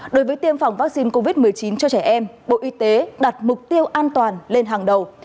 đối với tiêm phòng vaccine covid một mươi chín cho trẻ em bộ y tế đặt mục tiêu an toàn lên hàng đầu